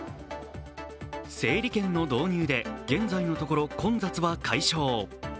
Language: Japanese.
整理券の導入で現在のところ、混雑は解消。